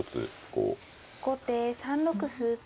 後手３六歩。